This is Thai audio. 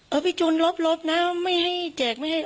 เอาไปจุนลบนะไม่ให้แจกไม่ให้